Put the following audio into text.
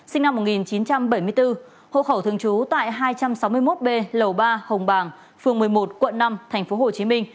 sinh năm một nghìn chín trăm bảy mươi bốn hộ khẩu thường trú tại hai trăm sáu mươi một b lầu ba hồng bàng phường một mươi một quận năm tp hcm